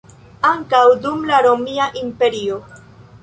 Ankaŭ dum la Romia Imperio.